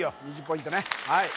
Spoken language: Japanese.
２０ポイントねはい